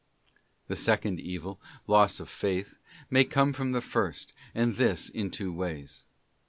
f The second evil, loss of Faith, may come from the first, and ; this in two ways.